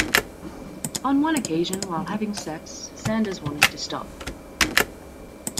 On one occasion, while having sex, Sanders wanted to stop.